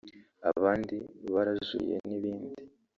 abandi barajuriye n’ibindi